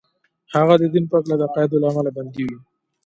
هغه د دين په هکله د عقايدو له امله بندي و.